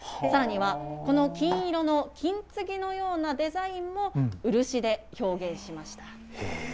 さらには、この金色の金つぎのようなデザインも漆で表現しました。